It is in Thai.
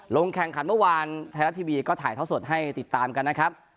ลงแข่งขันเมื่อวานไทยรัฐทีวีก็ถ่ายท่อสดให้ติดตามกันนะครับ